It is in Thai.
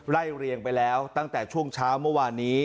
เรียงไปแล้วตั้งแต่ช่วงเช้าเมื่อวานนี้